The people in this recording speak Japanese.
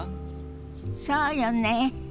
そうよね。